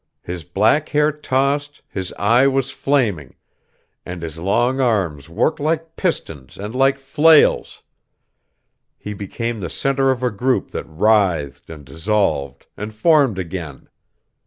His black hair tossed, his eye was flaming; and his long arms worked like pistons and like flails. He became the center of a group that writhed and dissolved, and formed again.